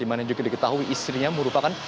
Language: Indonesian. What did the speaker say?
di mana juga diketahui istrinya merupakan